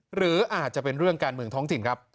หรืออาจจะเป็นเรื่องการเมืองท้องถิ่นครับ